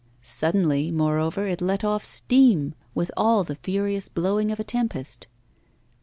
Suddenly, moreover, it let off steam, with all the furious blowing of a tempest.